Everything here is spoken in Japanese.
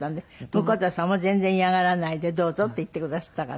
向田さんも全然嫌がらないで「どうぞ」って言ってくだすったから。